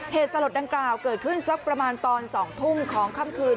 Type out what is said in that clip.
สลดดังกล่าวเกิดขึ้นสักประมาณตอน๒ทุ่มของค่ำคืน